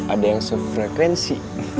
ada yang sefrekuensi